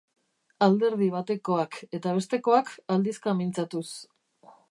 Alderdi batekoak eta bestekoak aldizka mintzatuz.